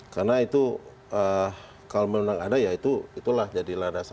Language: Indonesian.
karena itu kalau memang ada ya itulah jadi landasan